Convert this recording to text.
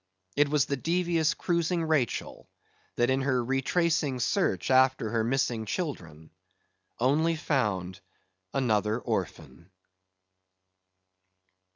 It was the devious cruising Rachel, that in her retracing search after her missing children, only found another orphan.